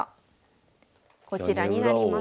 こちらになります。